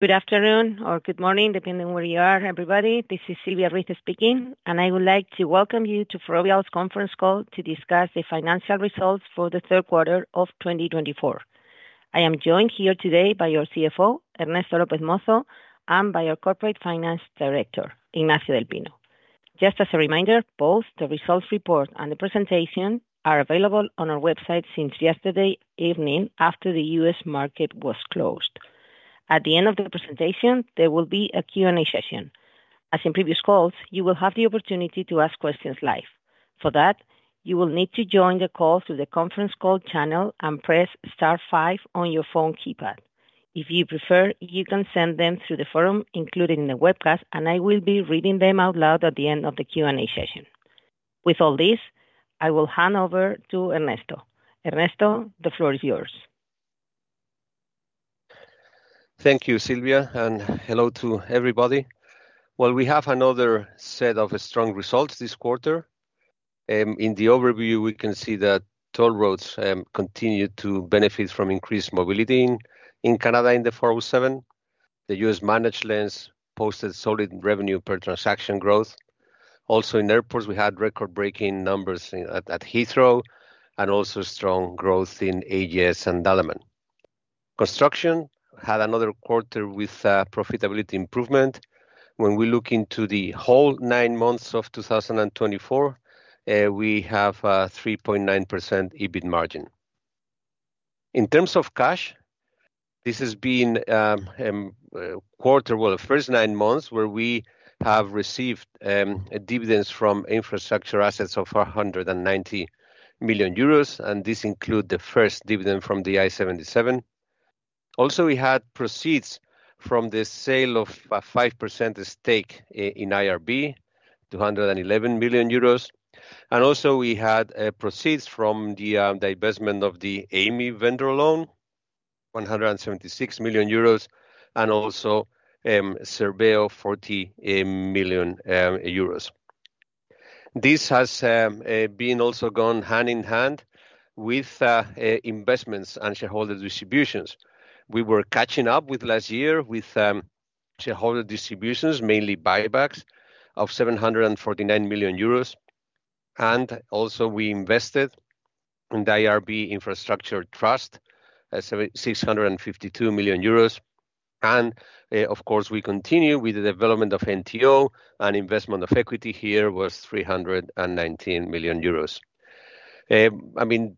Good afternoon, or good morning, depending where you are, everybody. This is Silvia Ruiz speaking, and I would like to welcome you to Ferrovial's conference call to discuss the financial results for the third quarter of 2024. I am joined here today by our CFO, Ernesto López Mozo, and by our Corporate Finance Director, Ignacio del Pino. Just as a reminder, both the results report and the presentation are available on our website since yesterday evening after the U.S. market was closed. At the end of the presentation, there will be a Q&A session. As in previous calls, you will have the opportunity to ask questions live. For that, you will need to join the call through the conference call channel and press *5 on your phone keypad. If you prefer, you can send them through the forum included in the webcast, and I will be reading them out loud at the end of the Q&A session. With all this, I will hand over to Ernesto. Ernesto, the floor is yours. Thank you, Silvia, and hello to everybody. Well, we have another set of strong results this quarter. In the overview, we can see that toll roads continue to benefit from increased mobility in Canada in the 407. The U.S. managed lanes posted solid revenue per transaction growth. Also, in Airports, we had record-breaking numbers at Heathrow and also strong growth in AGS and Dalaman. Construction had another quarter with profitability improvement. When we look into the whole nine months of 2024, we have a 3.9% EBIT margin. In terms of cash, this has been a quarter, well, the first nine months where we have received dividends from infrastructure assets of 190 million euros, and this includes the first dividend from the I-77. Also, we had proceeds from the sale of a 5% stake in IRB, 211 million euros. And also, we had proceeds from the divestment of the Amey vendor loan, 176 million euros, and also Serveo 40 million euros. This has been also gone hand in hand with investments and shareholder distributions. We were catching up last year with shareholder distributions, mainly buybacks of 749 million euros. And also, we invested in the IRB Infrastructure Trust, 652 million euros. And of course, we continue with the development of NTO, and investment of equity here was 319 million euros. I mean,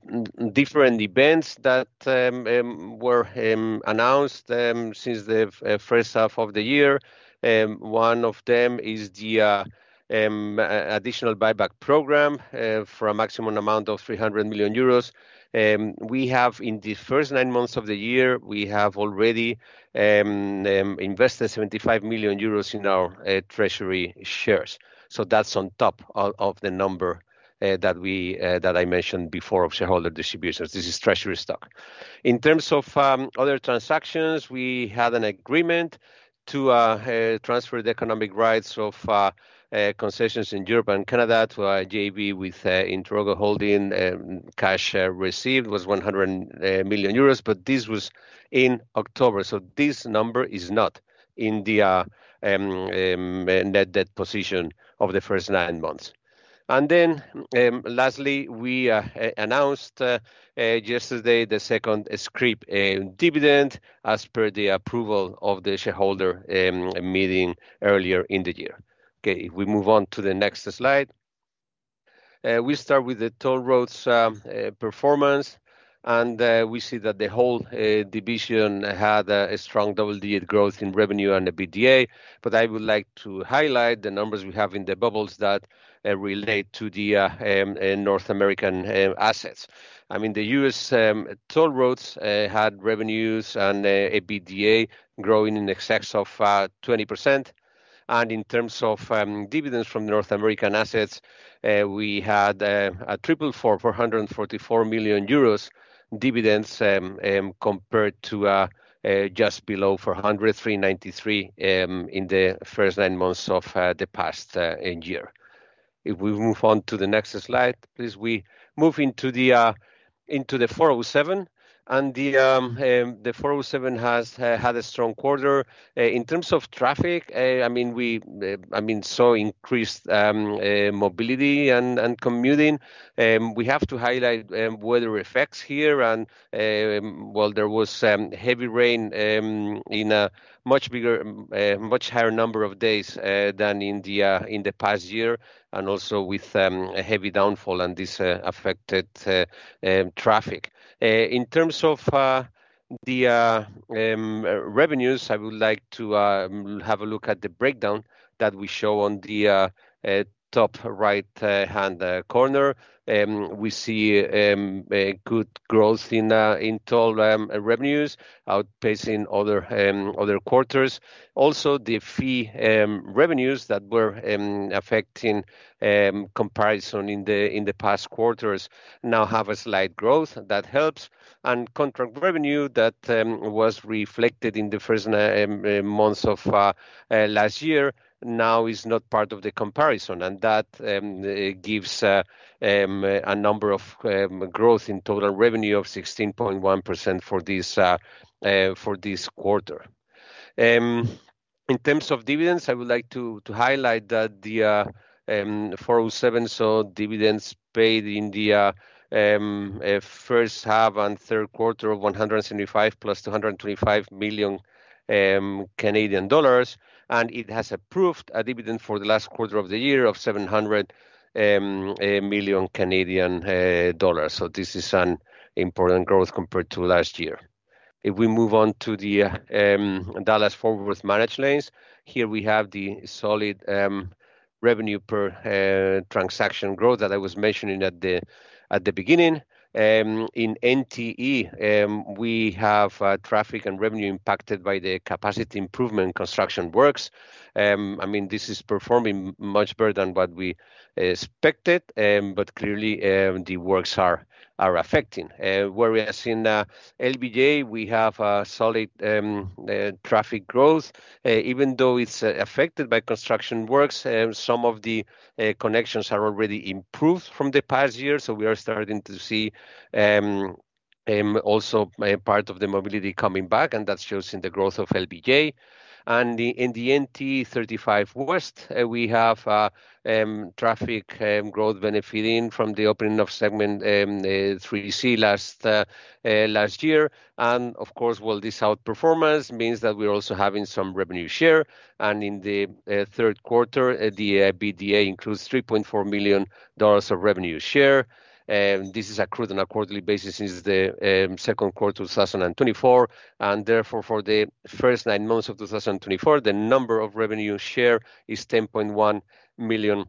different events that were announced since the first half of the year. One of them is the additional buyback program for a maximum amount of 300 million euros. We have, in the first nine months of the year, we have already invested 75 million euros in our treasury shares. So that's on top of the number that I mentioned before of shareholder distributions. This is treasury stock. In terms of other transactions, we had an agreement to transfer the economic rights of concessions in Europe and Canada to a JV with Interogo Holding. Cash received was 100 million euros, but this was in October. So this number is not in the net debt position of the first nine months. And then lastly, we announced yesterday the second scrip dividend as per the approval of the shareholder meeting earlier in the year. Okay, if we move on to the next slide, we start with the toll roads performance, and we see that the whole division had a strong double-digit growth in revenue and EBITDA, but I would like to highlight the numbers we have in the bubbles that relate to the North American assets. I mean, the US toll roads had revenues and EBITDA growing in excess of 20%. And in terms of dividends from North American assets, we had a triple for 444 million euros dividends compared to just below 403.93 in the first nine months of the past year. If we move on to the next slide, please, we move into the 407, and the 407 has had a strong quarter. In terms of traffic, I mean, we saw increased mobility and commuting. We have to highlight weather effects here, and while there was heavy rain in a much bigger, much higher number of days than in the past year, and also with heavy downpour, and this affected traffic. In terms of the revenues, I would like to have a look at the breakdown that we show on the top right-hand corner. We see good growth in toll revenues, outpacing other quarters. Also, the fee revenues that were affecting comparison in the past quarters now have a slight growth that helps. And contract revenue that was reflected in the first months of last year now is not part of the comparison, and that gives a number of growth in total revenue of 16.1% for this quarter. In terms of dividends, I would like to highlight that the 407 saw dividends paid in the first half and third quarter of 175 million plus 225 million Canadian dollars, and it has approved a dividend for the last quarter of the year of 700 million Canadian dollars. So this is an important growth compared to last year. If we move on to the Dallas-Fort Worth managed lanes, here we have the solid revenue per transaction growth that I was mentioning at the beginning. In NTE, we have traffic and revenue impacted by the capacity improvement construction works. I mean, this is performing much better than what we expected, but clearly the works are affecting. Whereas in LBJ, we have solid traffic growth. Even though it's affected by construction works, some of the connections are already improved from the past year, so we are starting to see also part of the mobility coming back, and that shows in the growth of LBJ. In the NTE 35W, we have traffic growth benefiting from the opening of segment 3C last year. Of course, while this outperformance means that we're also having some revenue share, and in the third quarter, the EBITDA includes $3.4 million of revenue share. This is accrued on a quarterly basis since the second quarter of 2024. And therefore, for the first nine months of 2024, the number of revenue share is $10.1 million.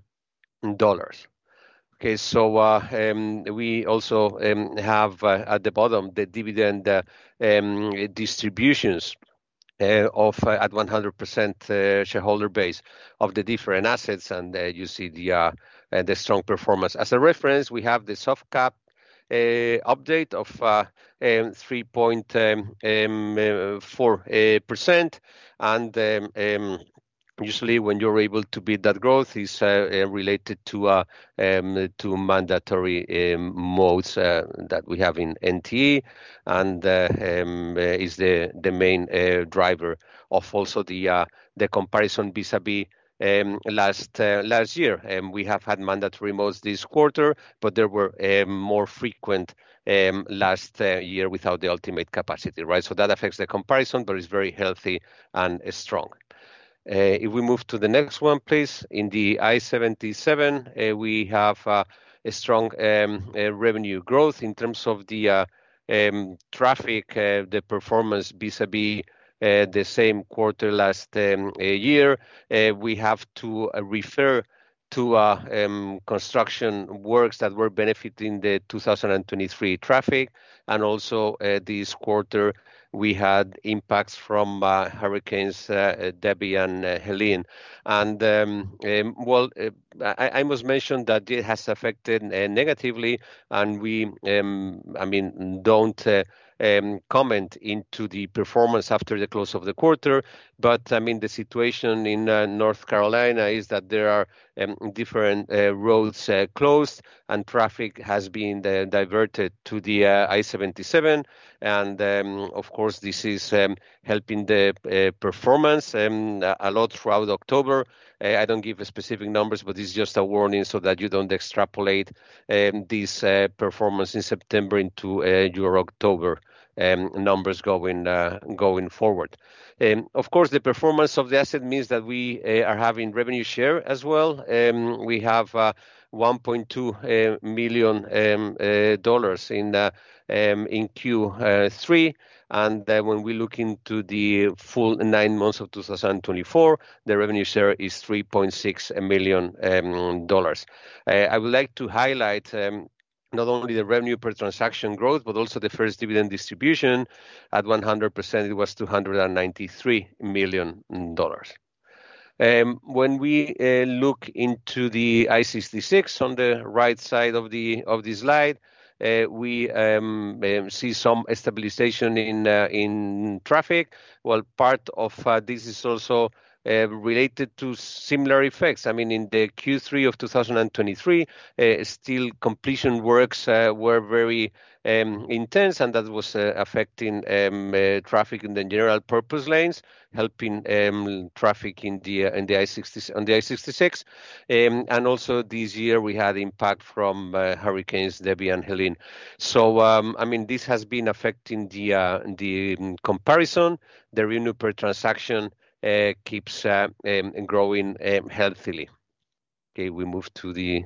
Okay, so we also have at the bottom the dividend distributions at 100% shareholder base of the different assets, and you see the strong performance. As a reference, we have the soft cap update of 3.4%, and usually when you're able to beat that growth is related to mandatory modes that we have in NTE and is the main driver of also the comparison vis-à-vis last year. We have had mandatory modes this quarter, but there were more frequent last year without the ultimate capacity, right? So that affects the comparison, but it's very healthy and strong. If we move to the next one, please, in the I-77, we have a strong revenue growth in terms of the traffic, the performance vis-à-vis the same quarter last year. We have to refer to construction works that were benefiting the 2023 traffic, and also this quarter we had impacts from hurricanes Debby and Helene, and while I must mention that it has affected negatively, and we, I mean, don't comment on the performance after the close of the quarter, but I mean, the situation in North Carolina is that there are different roads closed and traffic has been diverted to the I-77, and of course, this is helping the performance a lot throughout October. I don't give specific numbers, but it's just a warning so that you don't extrapolate this performance in September into your October numbers going forward. Of course, the performance of the asset means that we are having revenue share as well. We have $1.2 million in Q3, and when we look into the full nine months of 2024, the revenue share is $3.6 million. I would like to highlight not only the revenue per transaction growth, but also the first dividend distribution. At 100%, it was $293 million. When we look into the I-66 on the right side of this slide, we see some stabilization in traffic. Well, part of this is also related to similar effects. I mean, in the Q3 of 2023, still completion works were very intense, and that was affecting traffic in the general purpose lanes, helping traffic in the I-66, and also this year, we had impact from hurricanes Debbie and Helene, so I mean, this has been affecting the comparison. The revenue per transaction keeps growing healthily. Okay, we move to the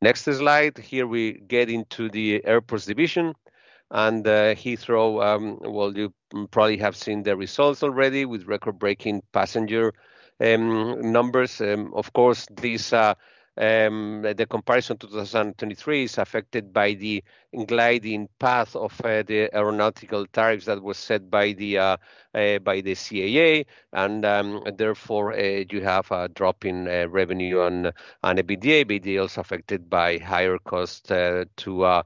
next slide. Here we get into the Airports division, and Heathrow, well, you probably have seen the results already with record-breaking passenger numbers. Of course, the comparison to 2023 is affected by the gliding path of the aeronautical tariffs that were set by the CAA, and therefore you have a drop in revenue on EBITDA. EBITDA also affected by higher cost to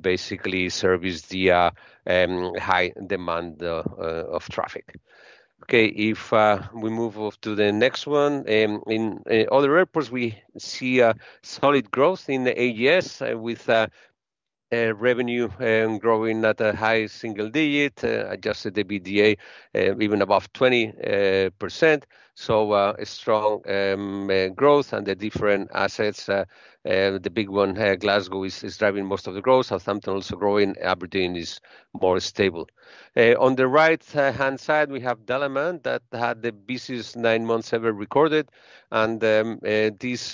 basically service the high demand of traffic. Okay, if we move to the next one, in other airports, we see solid growth in AGS with revenue growing at a high single digit, Adjusted EBITDA even above 20%. Strong growth, and the different assets, the big one, Glasgow, is driving most of the growth. Southampton also growing. Aberdeen is more stable. On the right-hand side, we have Dalaman that had the busiest nine months ever recorded, and this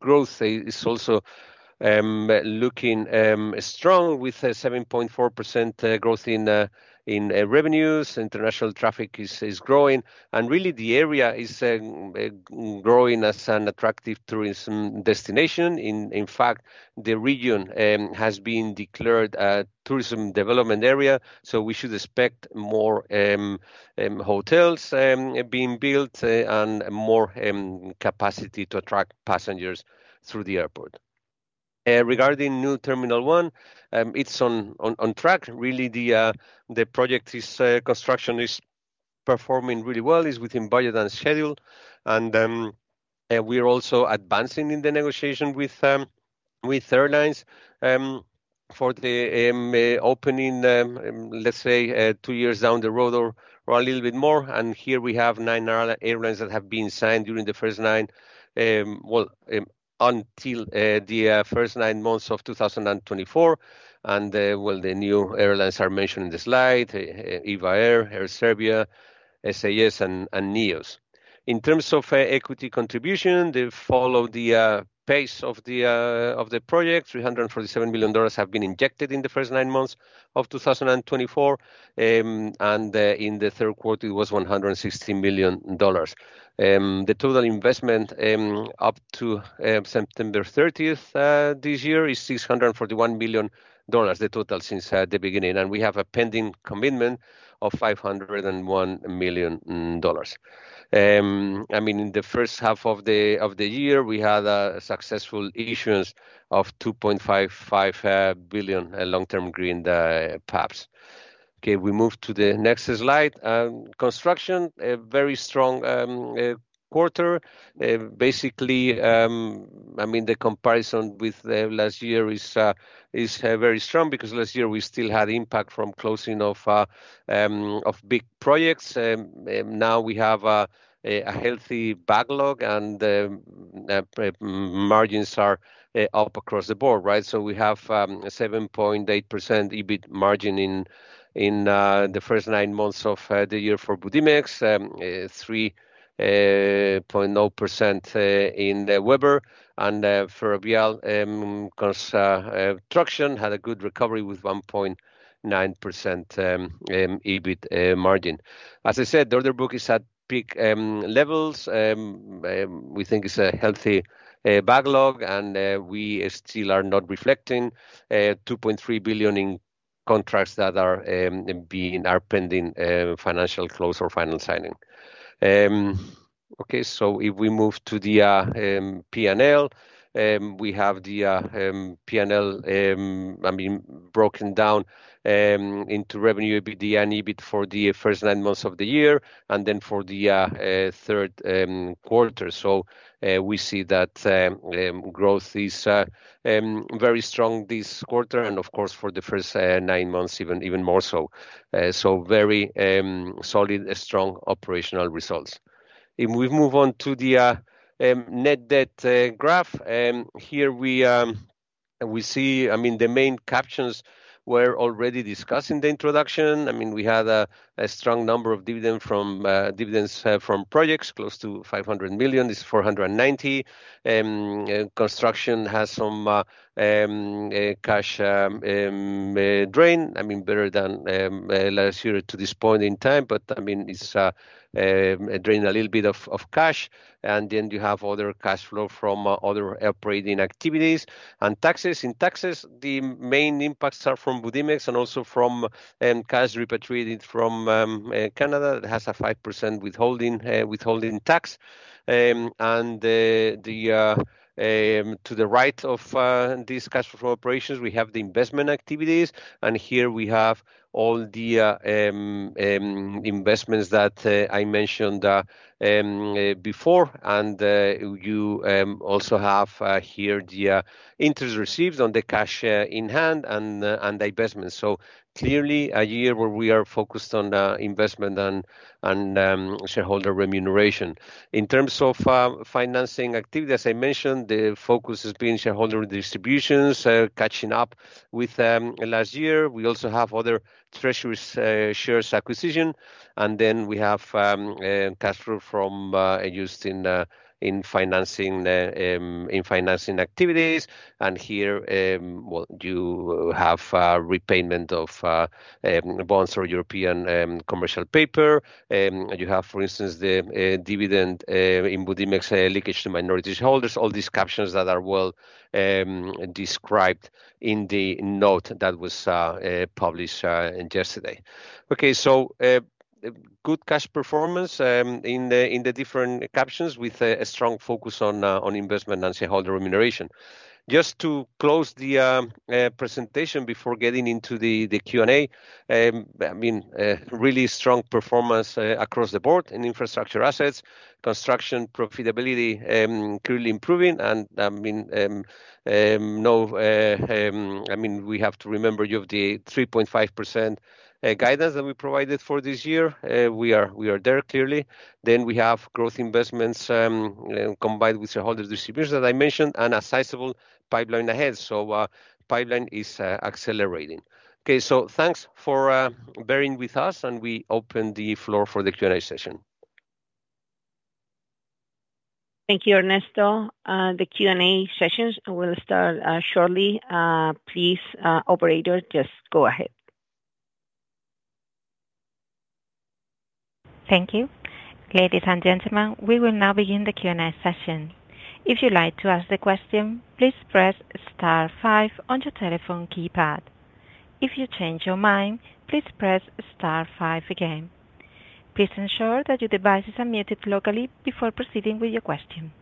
growth is also looking strong with a 7.4% growth in revenues. International traffic is growing, and really the area is growing as an attractive tourism destination. In fact, the region has been declared a tourism development area, so we should expect more hotels being built and more capacity to attract passengers through the airport. Regarding New Terminal One, it's on track. Really, the project construction is performing really well. It's within budget and schedule, and we're also advancing in the negotiation with airlines for the opening, let's say, two years down the road or a little bit more. And here we have nine airlines that have been signed during the first nine, well, until the first nine months of 2024. And well, the new airlines are mentioned in the slide: EVA Air, Air Serbia, SAS, and Neos. In terms of equity contribution, they follow the pace of the project, $347 million have been injected in the first nine months of 2024, and in the third quarter, it was $116 million. The total investment up to September 30th this year is $641 million, the total since the beginning, and we have a pending commitment of $501 million. I mean, in the first half of the year, we had successful issuance of $2.55 billion long-term green PABs. Okay, we move to the next slide. Construction, a very strong quarter. Basically, I mean, the comparison with last year is very strong because last year we still had impact from closing of big projects. Now we have a healthy backlog, and margins are up across the board, right? So we have a 7.8% EBIT margin in the first nine months of the year for Budimex, 3.0% in Webber, and Ferrovial Construction had a good recovery with 1.9% EBIT margin. As I said, the order book is at peak levels. We think it's a healthy backlog, and we still are not reflecting $2.3 billion in contracts that are pending financial close or final signing. Okay, so if we move to the P&L, we have the P&L, I mean, broken down into revenue, EBITDA, and EBIT for the first nine months of the year, and then for the third quarter. So we see that growth is very strong this quarter, and of course, for the first nine months, even more so. So very solid, strong operational results. If we move on to the net debt graph, here we see, I mean, the main captions were already discussed in the introduction. I mean, we had a strong number of dividends from projects, close to $500 million. It's $490. Construction has some cash drain. I mean, better than last year to this point in time, but I mean, it's drained a little bit of cash, and then you have other cash flow from other operating activities. And taxes, in taxes, the main impacts are from Budimex and also from cash repatriated from Canada. It has a 5% withholding tax. And to the right of these cash flow operations, we have the investment activities, and here we have all the investments that I mentioned before, and you also have here the interest received on the cash in hand and divestment. So clearly, a year where we are focused on investment and shareholder remuneration. In terms of financing activity, as I mentioned, the focus has been shareholder distributions, catching up with last year. We also have other Treasury Shares acquisition, and then we have cash flows used in financing activities, and here, well, you have repayment of bonds or European commercial paper. You have, for instance, the dividend in Budimex, leakage to minority holders, all these captions that are well described in the note that was published yesterday. Okay, so good cash performance in the different captions with a strong focus on investment and shareholder remuneration. Just to close the presentation before getting into the Q&A, I mean, really strong performance across the board in infrastructure assets, Construction profitability clearly improving, and I mean, we have to remember the 3.5% guidance that we provided for this year. We are there clearly. Then we have growth investments combined with shareholder distributions that I mentioned and a sizable pipeline ahead. So pipeline is accelerating. Okay, so thanks for bearing with us, and we open the floor for the Q&A session. Thank you, Ernesto. The Q&A sessions will start shortly. Please, operator, just go ahead. Thank you. Ladies and gentlemen, we will now begin the Q&A session. If you'd like to ask the question, please press star five on your telephone keypad. If you change your mind, please press star five again. Please ensure that your device is unmuted locally before proceeding with your question.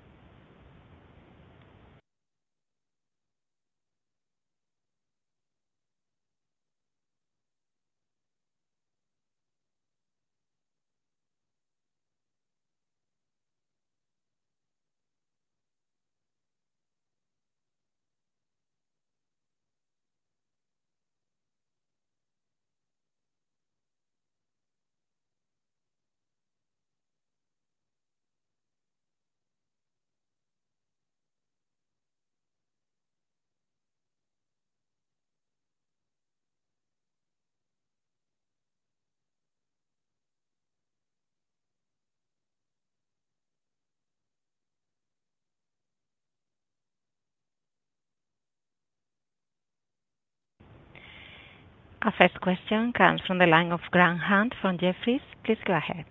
Our first question comes from the line of Graham Hunt from Jefferies. Please go ahead.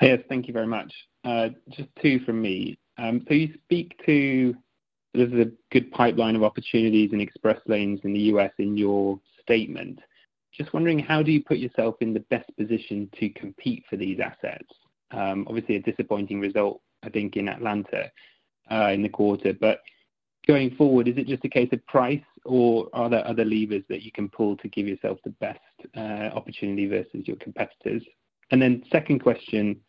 Hi, yes, thank you very much. Just two from me. So you speak to sort of the good pipeline of opportunities and express lanes in the U.S. in your statement. Just wondering, how do you put yourself in the best position to compete for these assets? Obviously, a disappointing result, I think, in Atlanta in the quarter, but going forward, is it just a case of price, or are there other levers that you can pull to give yourself the best opportunity versus your competitors? And then second question,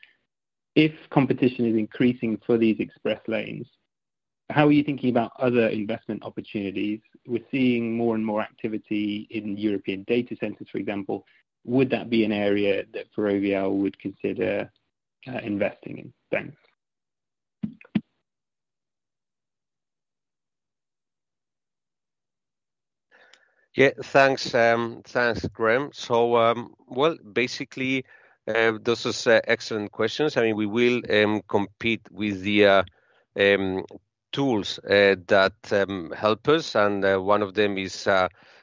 if competition is increasing for these express lanes, how are you thinking about other investment opportunities? We're seeing more and more activity in European data centers, for example. Would that be an area that Ferrovial would consider investing in? Thanks. Yeah, thanks, Graham. So, well, basically, those are excellent questions. I mean, we will compete with the tools that help us, and one of them is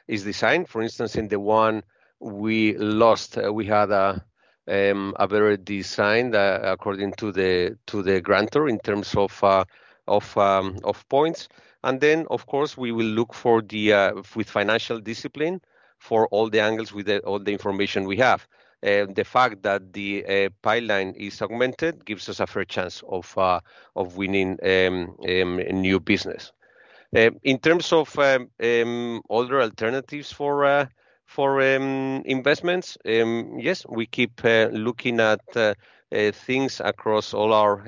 design. For instance, in the one we lost, we had a better design according to the grantor in terms of points. And then, of course, we will look for the financial discipline for all the angles with all the information we have. The fact that the pipeline is augmented gives us a fair chance of winning new business. In terms of other alternatives for investments, yes, we keep looking at things across all our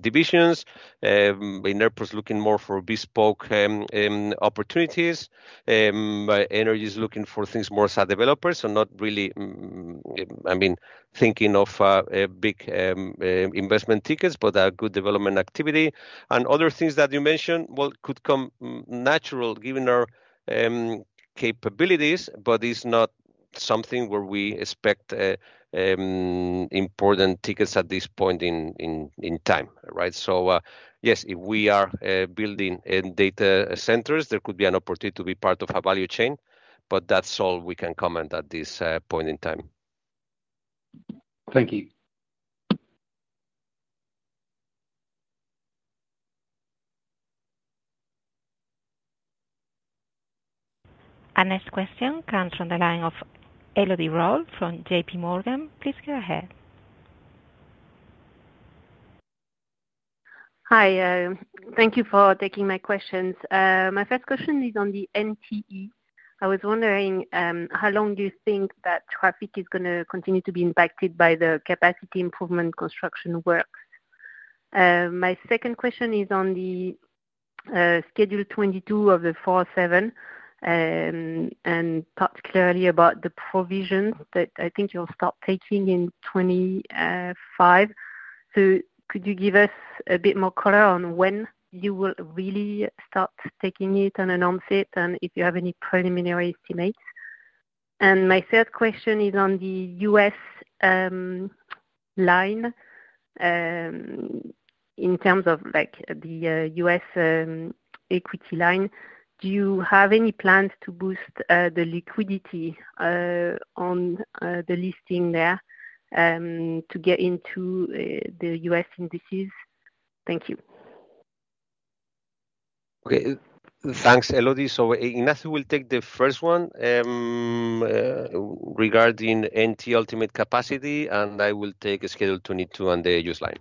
divisions. In Airports, looking more for bespoke opportunities. Energy is looking for things more as a developer, so not really, I mean, thinking of big investment tickets, but a good development activity. And other things that you mentioned, well, could come natural given our capabilities, but it's not something where we expect important tickets at this point in time, right? So yes, if we are building data centers, there could be an opportunity to be part of a value chain, but that's all we can comment at this point in time. Thank you. Our next question comes from the line of Elodie Rall from JPMorgan. Please go ahead. Hi, thank you for taking my questions. My first question is on the NTE. I was wondering how long do you think that traffic is going to continue to be impacted by the capacity improvement construction works? My second question is on the Schedule 22 of the 407 and particularly about the provisions that I think you'll start taking in 2025. So could you give us a bit more color on when you will really start taking it and announce it, and if you have any preliminary estimates? And my third question is on the U.S. line. In terms of the U.S. equity line, do you have any plans to boost the liquidity on the listing there to get into the U.S. indices? Thank you. Okay, thanks, Elodie. Ignacio will take the first one regarding NTE ultimate capacity, and I will take Schedule 22 on the U.S. line.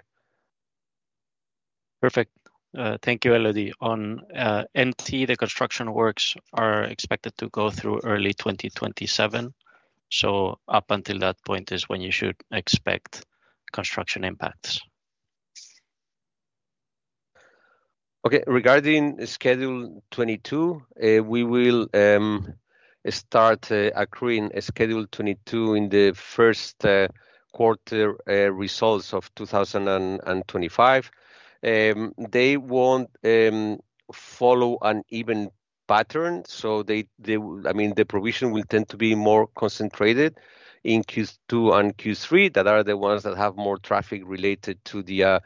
Perfect. Thank you, Elodie. On NTE, the construction works are expected to go through early 2027. Up until that point is when you should expect construction impacts. Okay, regarding Schedule 22, we will start accruing Schedule 22 in the first quarter results of 2025. They won't follow an even pattern, so I mean, the provision will tend to be more concentrated in Q2 and Q3. Those are the ones that have more traffic related to the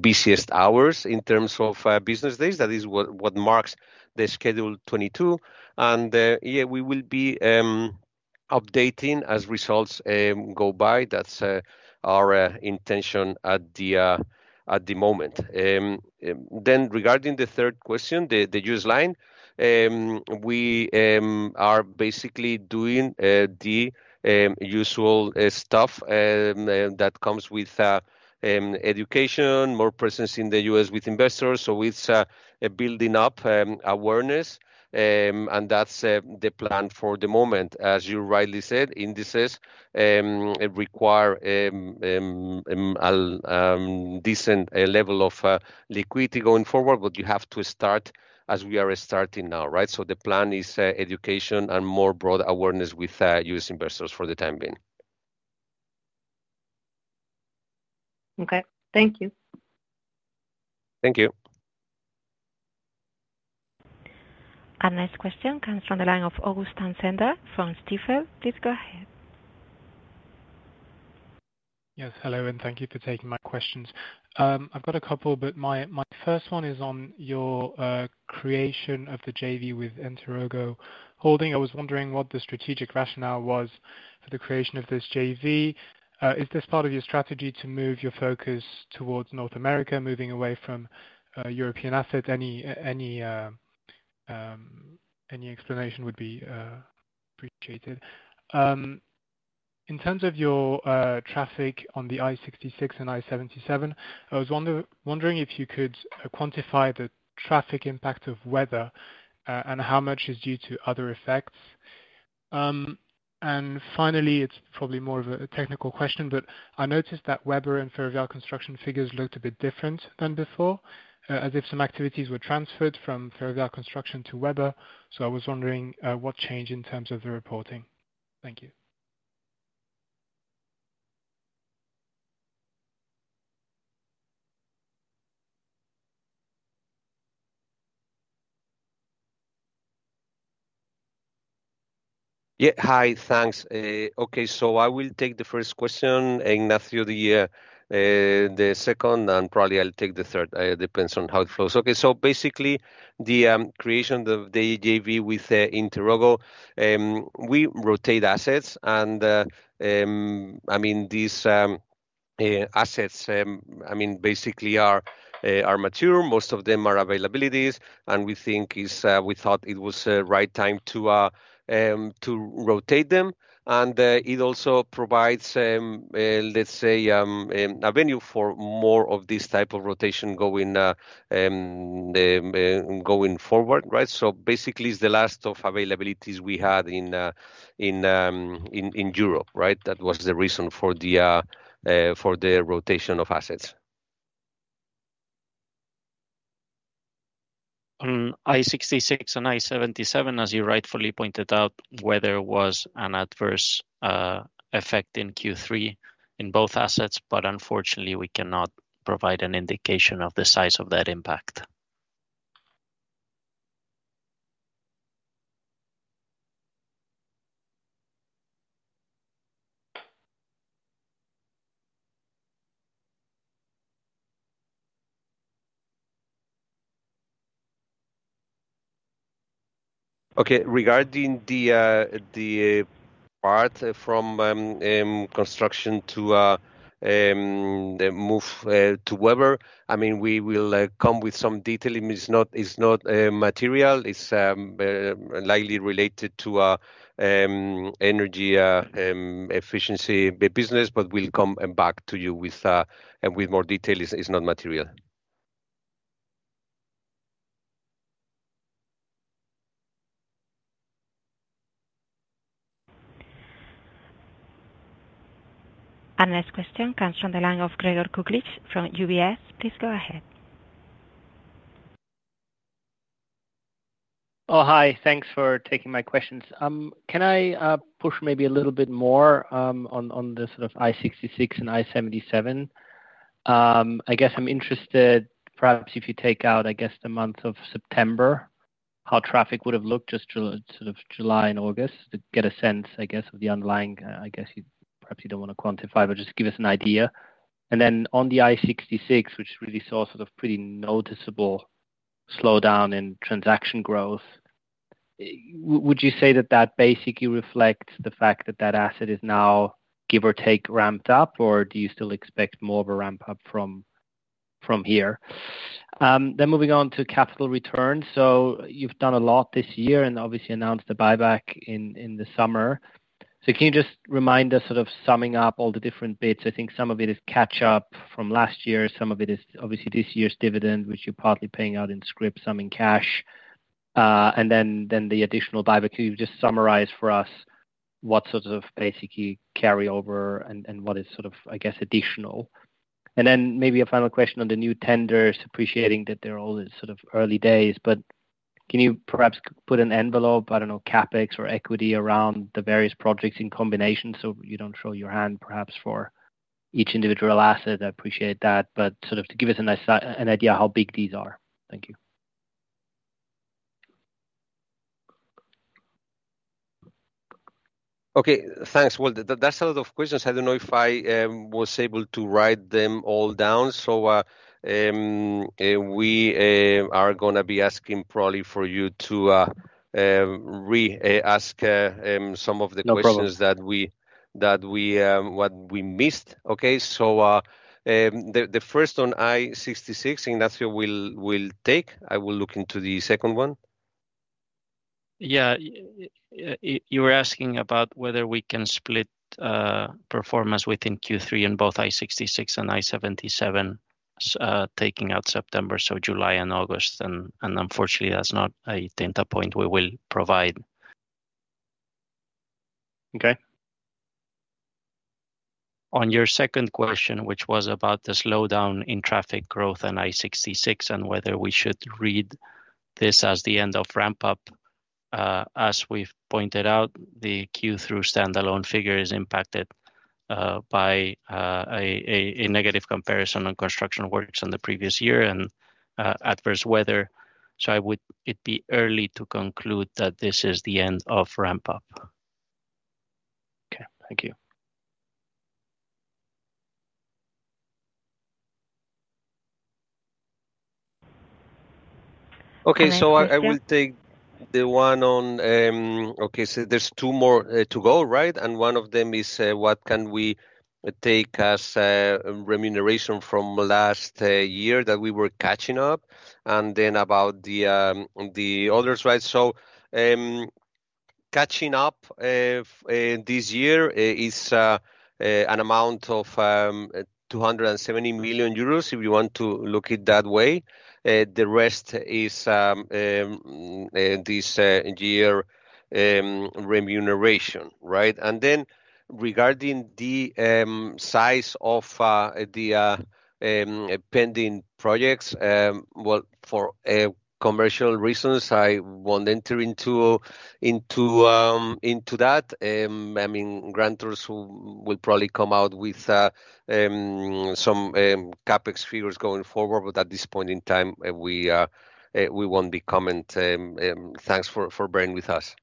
busiest hours in terms of business days. That is what marks the Schedule 22. Yeah, we will be updating as results go by. That's our intention at the moment. Then regarding the third question, the U.S. line, we are basically doing the usual stuff that comes with education, more presence in the U.S. with investors. So it's building up awareness, and that's the plan for the moment. As you rightly said, indices require a decent level of liquidity going forward, but you have to start as we are starting now, right? So the plan is education and more broad awareness with U.S. investors for the time being. Okay, thank you. Thank you. Our next question comes from the line of Augustin Cendre from Stifel. Please go ahead. Yes, hello, and thank you for taking my questions. I've got a couple, but my first one is on your creation of the JV with Interogo Holding. I was wondering what the strategic rationale was for the creation of this JV. Is this part of your strategy to move your focus towards North America, moving away from European assets? Any explanation would be appreciated. In terms of your traffic on the I-66 and I-77, I was wondering if you could quantify the traffic impact of weather and how much is due to other effects. And finally, it's probably more of a technical question, but I noticed that Webber and Ferrovial Construction figures looked a bit different than before, as if some activities were transferred from Ferrovial Construction to Webber. So I was wondering what changed in terms of the reporting. Thank you. Yeah, hi, thanks. Okay, so I will take the first question, Ignacio the second, and probably I'll take the third. It depends on how it flows. Okay, so basically, the creation of the JV with Interogo, we rotate assets, and I mean, these assets, I mean, basically are mature. Most of them are availabilities, and we thought it was the right time to rotate them and it also provides, let's say, a venue for more of this type of rotation going forward, right, so basically it's the last of availabilities we had in Europe, right? That was the reason for the rotation of assets. On I-66 and I-77, as you rightfully pointed out, weather was an adverse effect in Q3 in both assets, but unfortunately, we cannot provide an indication of the size of that impact. Okay, regarding the part from Construction to move to Webber, I mean, we will come with some detail. It's not material. It's likely related to energy efficiency business, but we'll come back to you with more detail. It's not material. Our next question comes from the line of Gregor Kuglitsch from UBS. Please go ahead. Oh, hi, thanks for taking my questions. Can I push maybe a little bit more on the sort of I-66 and I-77? I guess I'm interested, perhaps if you take out, I guess, the month of September, how traffic would have looked just through sort of July and August to get a sense, I guess, of the underlying, I guess perhaps you don't want to quantify, but just give us an idea, and then on the I-66, which really saw sort of pretty noticeable slowdown in transaction growth, would you say that that basically reflects the fact that that asset is now, give or take, ramped up, or do you still expect more of a ramp-up from here? Then, moving on to capital return, so you've done a lot this year and obviously announced a buyback in the summer. So can you just remind us sort of summing up all the different bits? I think some of it is catch-up from last year. Some of it is obviously this year's dividend, which you're partly paying out in scrip, some in cash. And then the additional buyback, could you just summarize for us what sort of basically carryover and what is sort of, I guess, additional? And then maybe a final question on the new tenders, appreciating that they're all sort of early days, but can you perhaps put an envelope, I don't know, CapEx or equity around the various projects in combination so you don't throw your hand perhaps for each individual asset? I appreciate that, but sort of to give us an idea how big these are. Thank you. Okay, thanks. Well, that's a lot of questions. I don't know if I was able to write them all down, so we are going to be asking probably for you to re-ask some of the questions that we missed. Okay, so the first one, I-66, Ignacio will take. I will look into the second one. Yeah, you were asking about whether we can split performance within Q3 in both I-66 and I-77, taking out September, so July and August, and unfortunately, that's not a data point we will provide. Okay. On your second question, which was about the slowdown in traffic growth on I-66 and whether we should read this as the end of ramp-up, as we've pointed out, the Q3 standalone figure is impacted by a negative comparison on construction works in the previous year and adverse weather, so it'd be early to conclude that this is the end of ramp-up. Okay, thank you. Okay, so there's two more to go, right? And one of them is what can we take as remuneration from last year that we were catching up? And then about the others, right? So catching up this year is an amount of 270 million euros if you want to look at it that way. The rest is this year remuneration, right? And then regarding the size of the pending projects, well, for commercial reasons, I won't enter into that. I mean, grantors will probably come out with some CapEx figures going forward, but at this point in time, we won't be commenting. Thanks for bearing with us.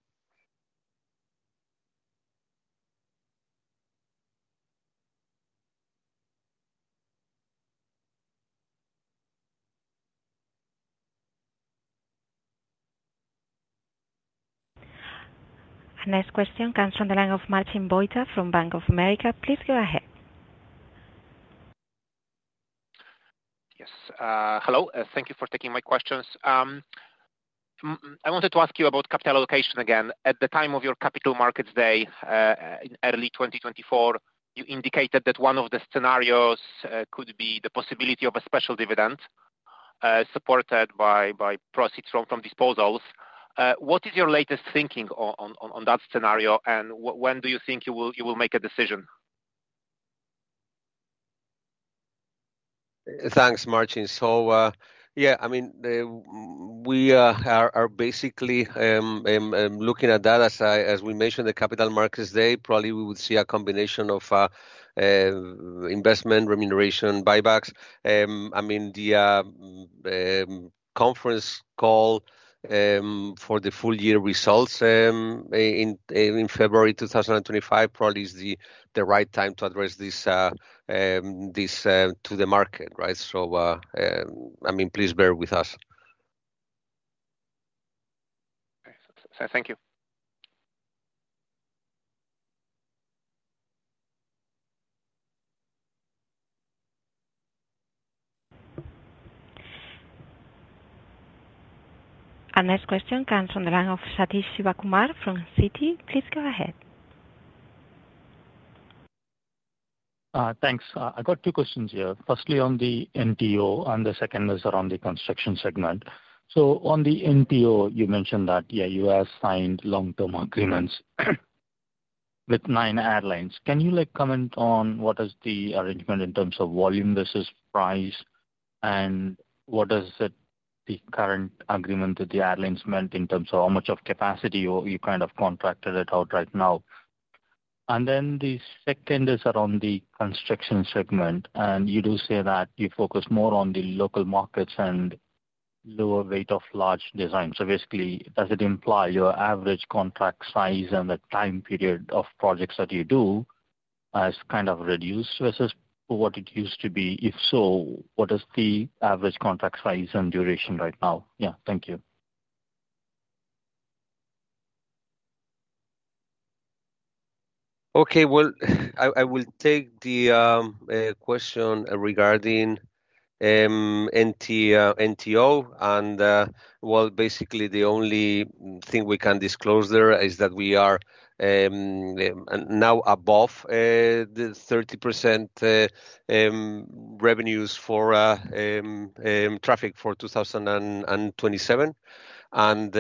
Our next question comes from the line of Marcin Wojtal from Bank of America. Please go ahead. Yes, hello. Thank you for taking my questions. I wanted to ask you about capital allocation again. At the time of your capital markets day in early 2024, you indicated that one of the scenarios could be the possibility of a special dividend supported by proceeds from disposals. What is your latest thinking on that scenario, and when do you think you will make a decision? Thanks, Martin. So yeah, I mean, we are basically looking at that as we mentioned the capital markets day. Probably we would see a combination of investment, remuneration, buybacks. I mean, the conference call for the full year results in February 2025 probably is the right time to address this to the market, right? So I mean, please bear with us. Okay, thank you. Our next question comes from the line of Sathish Sivakumar from Citi. Please go ahead. Thanks. I got two questions here. Firstly, on the NTO, and the second is around the Construction segment. So on the NTO, you mentioned that, yeah, you have signed long-term agreements with nine airlines. Can you comment on what is the arrangement in terms of volume versus price, and what does the current agreement with the airlines mean in terms of how much of capacity you kind of contracted it out right now? And then the second is around the Construction segment, and you do say that you focus more on the local markets and lower weight of large designs. So basically, does it imply your average contract size and the time period of projects that you do has kind of reduced versus what it used to be? If so, what is the average contract size and duration right now? Yeah, thank you. Okay, well, I will take the question regarding NTO, and well, basically, the only thing we can disclose there is that we are now above the 30% revenues for traffic for 2027, and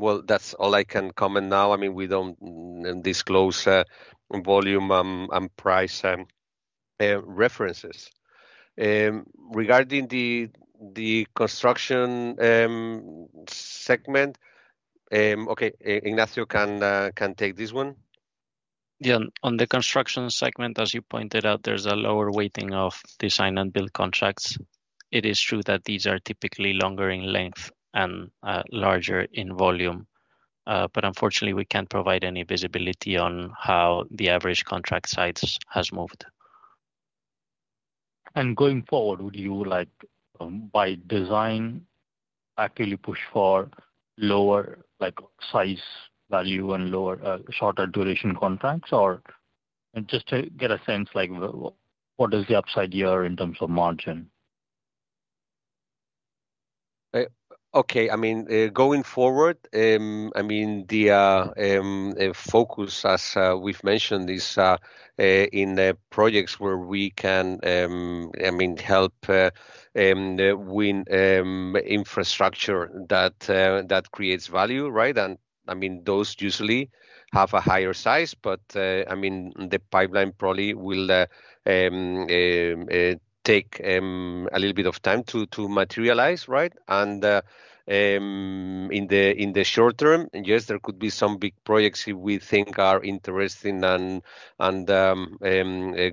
well, that's all I can comment now. I mean, we don't disclose volume and price references. Regarding the Construction segment, okay, Ignacio can take this one. Yeah, on the Construction segment, as you pointed out, there's a lower weighting of design and build contracts. It is true that these are typically longer in length and larger in volume, but unfortunately, we can't provide any visibility on how the average contract size has moved. And going forward, would you, by design, actually push for lower size value and shorter duration contracts, or just to get a sense, what is the upside here in terms of margin? Okay, I mean, going forward, I mean, the focus, as we've mentioned, is in projects where we can, I mean, help win infrastructure that creates value, right? And I mean, those usually have a higher size, but I mean, the pipeline probably will take a little bit of time to materialize, right? And in the short term, yes, there could be some big projects we think are interesting and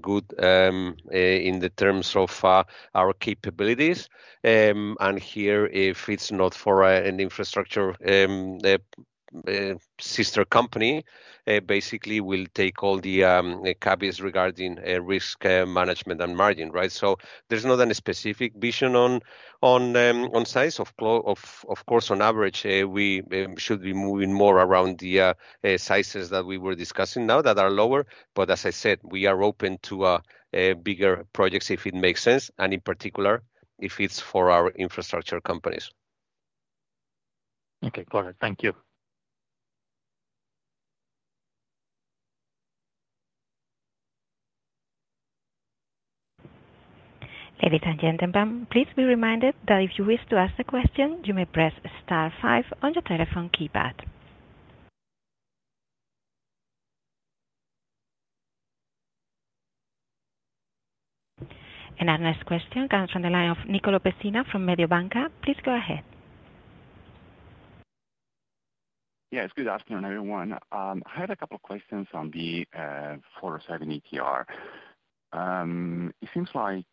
good in the terms of our capabilities. And here, if it's not for an infrastructure sister company, basically, we'll take all the caveats regarding risk management and margin, right? So there's not any specific vision on size. Of course, on average, we should be moving more around the sizes that we were discussing now that are lower. But as I said, we are open to bigger projects if it makes sense, and in particular, if it's for our infrastructure companies. Okay, got it. Thank you. Ladies and gentlemen, please be reminded that if you wish to ask a question, you may press star five on your telephone keypad. Our next question comes from the line of Nicolò Pessina from Mediobanca. Please go ahead. Yeah, good afternoon, everyone. I had a couple of questions on the 407 ETR. It seems like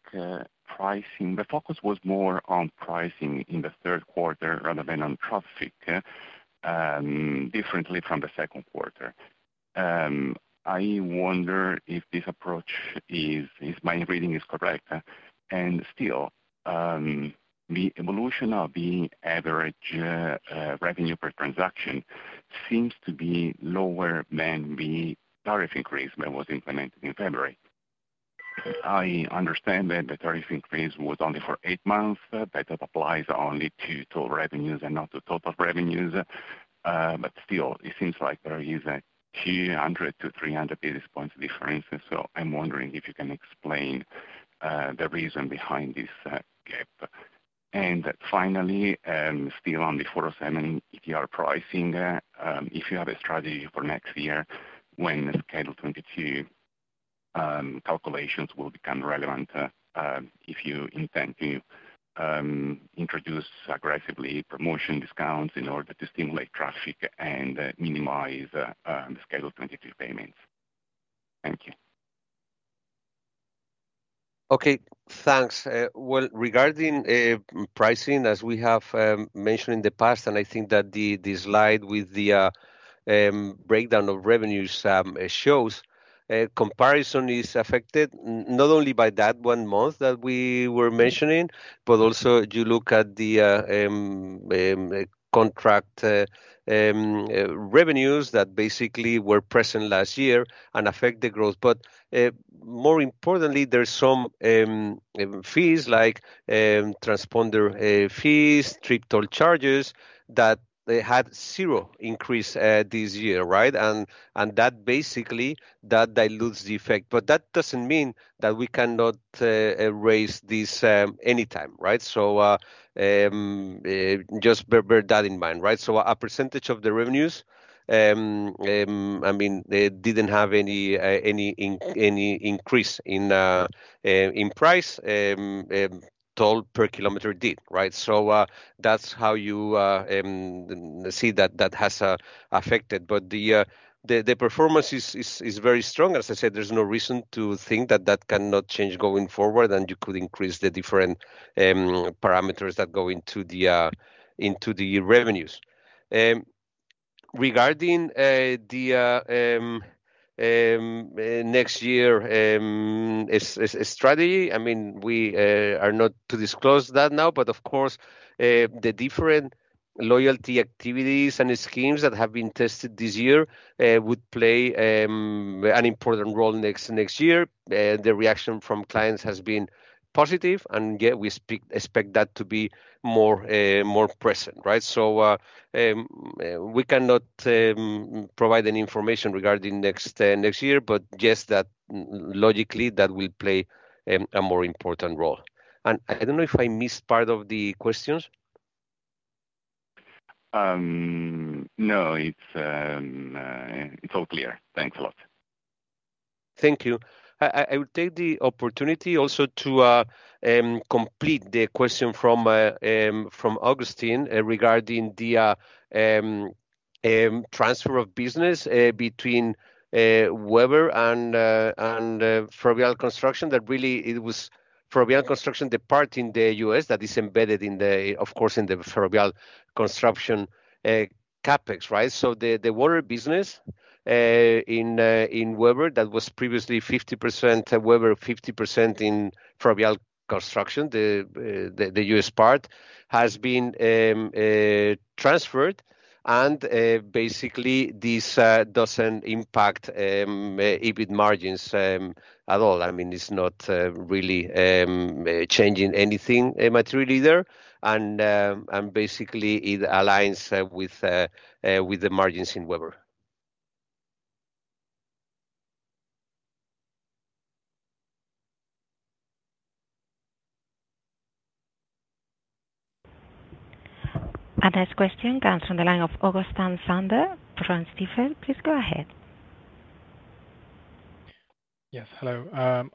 pricing, the focus was more on pricing in the third quarter rather than on traffic, differently from the second quarter. I wonder if this approach, my reading, is correct. Still, the evolution of the average revenue per transaction seems to be lower than the tariff increase that was implemented in February. I understand that the tariff increase was only for eight months. That applies only to total revenues and not to total revenues. But still, it seems like there is a 200-300 basis points difference. So I'm wondering if you can explain the reason behind this gap. And finally, still on the 407 ETR pricing, if you have a strategy for next year when the Schedule 22 calculations will become relevant if you intend to introduce aggressively promotion discounts in order to stimulate traffic and minimize Schedule 22 payments. Thank you. Okay, thanks. Well, regarding pricing, as we have mentioned in the past, and I think that the slide with the breakdown of revenues shows comparison is affected not only by that one month that we were mentioning, but also you look at the contract revenues that basically were present last year and affect the growth. But more importantly, there's some fees like transponder fees, trip toll charges that had zero increase this year, right? And that basically dilutes the effect. But that doesn't mean that we cannot raise this anytime, right? So just bear that in mind, right? So a percentage of the revenues, I mean, didn't have any increase in price, toll per kilometer did, right? So that's how you see that that has affected. But the performance is very strong. As I said, there's no reason to think that that cannot change going forward, and you could increase the different parameters that go into the revenues. Regarding the next year's strategy, I mean, we are not to disclose that now, but of course, the different loyalty activities and schemes that have been tested this year would play an important role next year. The reaction from clients has been positive, and yet we expect that to be more present, right? So we cannot provide any information regarding next year, but yes, logically, that will play a more important role. And I don't know if I missed part of the questions. No, it's all clear. Thanks a lot. Thank you. I will take the opportunity also to complete the question from Augustin Sander regarding the transfer of business between Webber and Ferrovial Construction. That really it was Ferrovial Construction, the part in the US that is embedded, of course, in the Ferrovial Construction CapEx, right? So the water business in Webber that was previously 50%, Webber 50% in Ferrovial Construction, the US part, has been transferred, and basically, this doesn't impact EBIT margins at all. I mean, it's not really changing anything materially there, and basically, it aligns with the margins in Webber. Our next question comes from the line of Augustin Sander from Stifel, please go ahead. Yes, hello.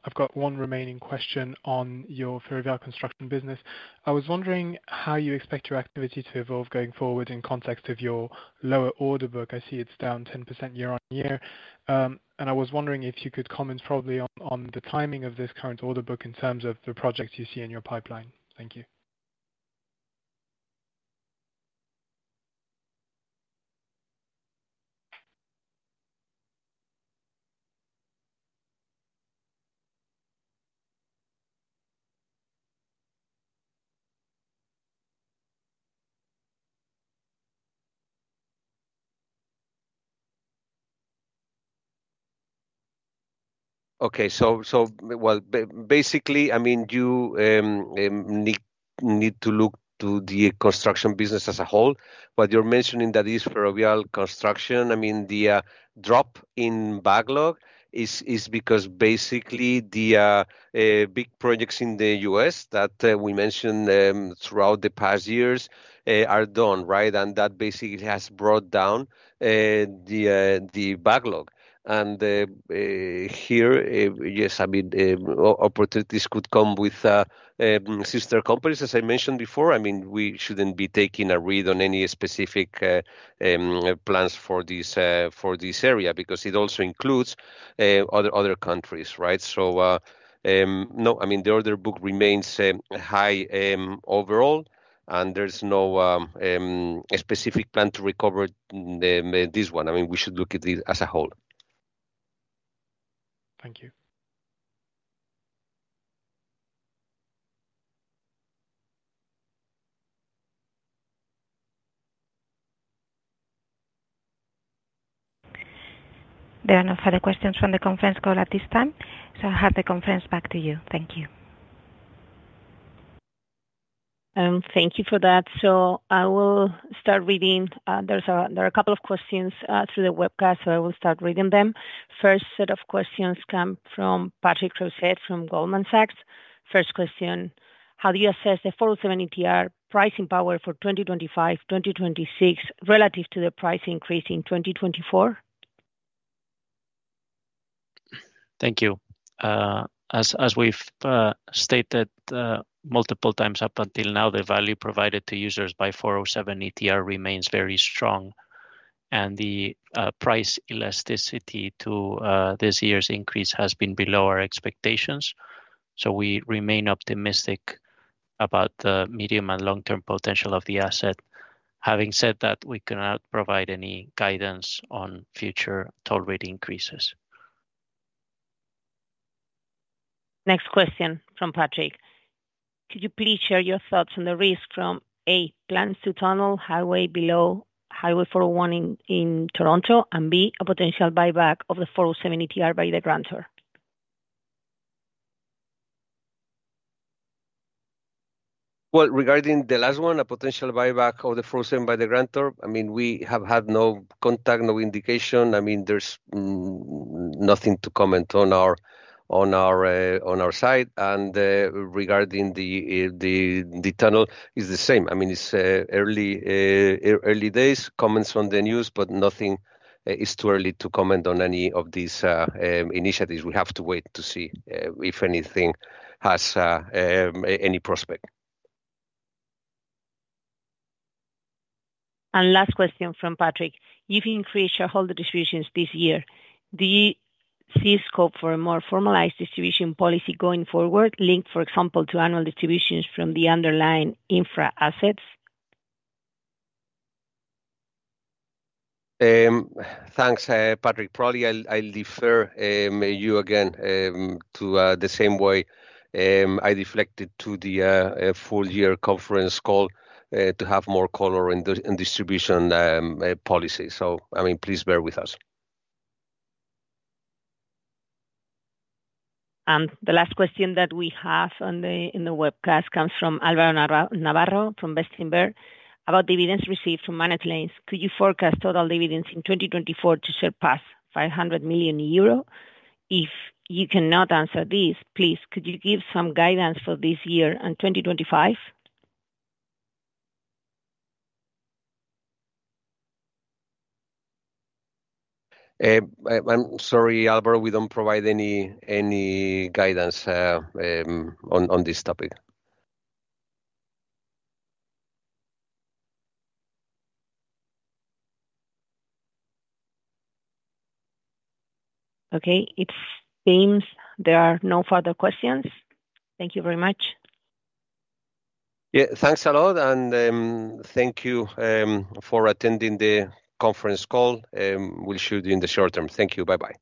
I've got one remaining question on your Ferrovial Construction business. I was wondering how you expect your activity to evolve going forward in context of your lower order book? I see it's down 10% year on year, and I was wondering if you could comment probably on the timing of this current order book in terms of the projects you see in your pipeline. Thank you. Okay, so well, basically, I mean, you need to look to the Construction business as a whole. What you're mentioning that is Ferrovial Construction, I mean, the drop in backlog is because basically the big projects in the U.S. that we mentioned throughout the past years are done, right? And that basically has brought down the backlog. And here, yes, I mean, opportunities could come with sister companies, as I mentioned before. I mean, we shouldn't be taking a read on any specific plans for this area because it also includes other countries, right? So no, I mean, the order book remains high overall, and there's no specific plan to recover this one. I mean, we should look at this as a whole. Thank you. There are no further questions from the conference call at this time. So I'll hand the conference back to you. Thank you. Thank you for that. So I will start reading. There are a couple of questions through the webcast, so I will start reading them. First set of questions come from Patrick Creuset from Goldman Sachs. First question, how do you assess the 407 ETR pricing power for 2025-2026 relative to the price increase in 2024? Thank you. As we've stated multiple times up until now, the value provided to users by 407 ETR remains very strong, and the price elasticity to this year's increase has been below our expectations. So we remain optimistic about the medium and long-term potential of the asset. Having said that, we cannot provide any guidance on future toll rate increases. Next question from Patrick. Could you please share your thoughts on the risk from A, plans to tunnel a highway below Highway 401 in Toronto, and B, a potential buyback of the 407 ETR by the grantor? Well, regarding the last one, a potential buyback of the 407 by the grantor, I mean, we have had no contact, no indication. I mean, there's nothing to comment on our side. And regarding the tunnel, it's the same. I mean, it's early days, comments on the news, but it's too early to comment on any of these initiatives. We have to wait to see if anything has any prospect. And last question from Patrick. If you increase shareholder distributions this year, do you see scope for a more formalized distribution policy going forward linked, for example, to annual distributions from the underlying infra assets? Thanks, Patrick. Probably I'll defer you again to the same way I deflected to the full-year conference call to have more color in distribution policy. So I mean, please bear with us. The last question that we have on the webcast comes from Álvaro Navarro from Bestinver about dividends received from managed lanes. Could you forecast total dividends in 2024 to surpass 500 million euro? If you cannot answer this, please, could you give some guidance for this year and 2025? I'm sorry, Álvaro, we don't provide any guidance on this topic. Okay, it seems there are no further questions. Thank you very much. Yeah, thanks a lot, and thank you for attending the conference call. We'll see you in the short term. Thank you. Bye-bye.